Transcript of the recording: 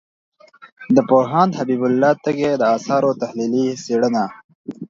د پوهاند حبیب الله تږي د آثارو تحلیلي څېړنه